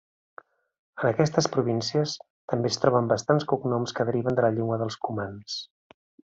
En aquestes províncies, també es troben bastants cognoms que deriven de la llengua dels cumans.